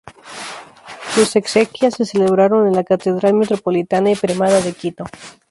Sus exequias se celebraron en la Catedral Metropolitana y Primada de Quito.